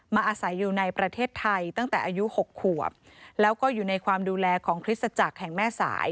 อาศัยอยู่ในประเทศไทยตั้งแต่อายุ๖ขวบแล้วก็อยู่ในความดูแลของคริสตจักรแห่งแม่สาย